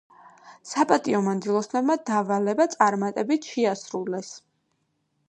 საპატიო მანდილოსნებმა დავალება წარმატებით შეასრულეს.